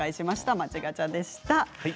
街ガチャでした。